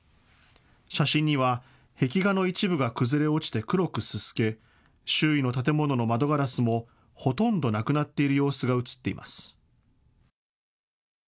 写真には壁画の一部が崩れ落ちて黒くすすけ周囲の建物の窓ガラスもほとんどなくなっている様子が写っています。